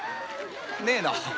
ねえな。